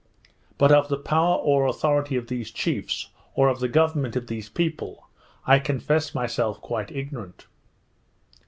But of the power or authority of these chiefs, or of the government of these people, I confess myself quite ignorant.